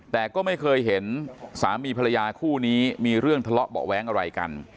แต่ก็ไม่เคยเห็นสามีภรรยาคู่นี้มีเรื่องทะเลาะเบาะแว้งอะไรกัน